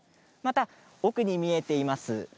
そして奥に見えています